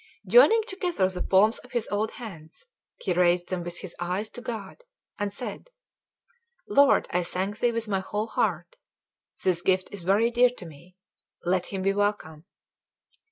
Joining together the palms of his old hands, he raised them with his eyes to God, and said "Lord, I thank Thee with my whole heart; this gift is very dear to me; let him be Welcome."